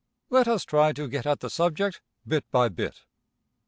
Let us try to get at the subject bit by bit.